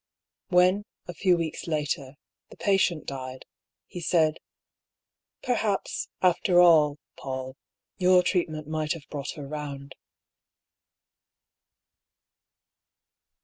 When, a few weeks later, the patient died, he said :" Perhaps, after all, PauU, your treatment might have brought her round."